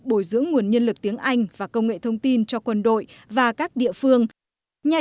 bồi dưỡng nguồn nhân lực tiếng anh và công nghệ thông tin cho quân đội và các địa phương nhà